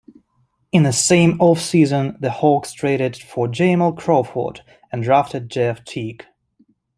In the same offseason, the Hawks traded for Jamal Crawford and drafted Jeff Teague.